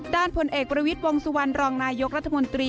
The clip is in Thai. ผลเอกประวิทย์วงสุวรรณรองนายกรัฐมนตรี